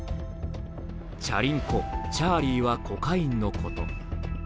チャリンコ・チャーリーはコカインのこと。